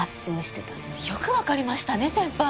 よくわかりましたね先輩。